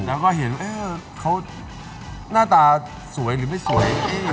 แล้วก็เห็นว่าเขาหน้าตาสวยหรือไม่สวย